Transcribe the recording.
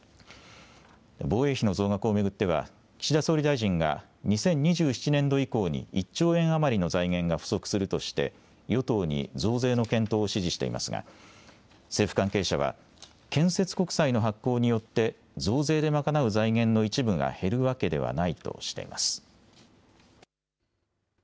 防衛費の増額を巡っては、岸田総理大臣が、２０２７年度以降に１兆円余りの財源が不足するとして、与党に増税の検討を指示していますが、政府関係者は、建設国債の発行によって、増税で賄う財源の一部が減るわけではないとしています。